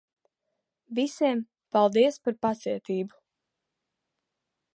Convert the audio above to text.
Visiem, paldies par pacietību.